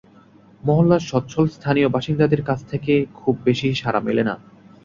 মহল্লার সচ্ছল স্থানীয় বাসিন্দাদের কাছ থেকে খুব বেশি সাড়া মেলে না।